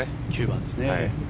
９番ですね。